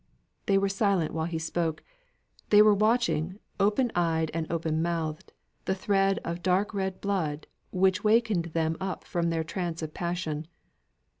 They were silent while he spoke. They were watching, open eyed and open mouthed, the thread of dark red blood which wakened them up from their trance of passion.